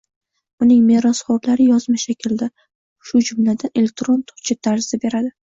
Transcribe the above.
uning merosxo‘rlari yozma shaklda, shu jumladan elektron hujjat tarzida beradi.